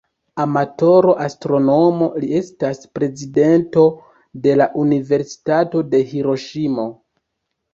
Amatora astronomo, li estas prezidento de la Universitato de Hiroŝimo.